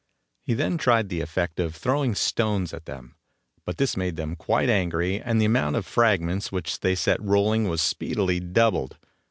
He then tried the effect of throwing stones at them, but this made them quite angry and the amount of fragments which they set rolling was speedily doubled.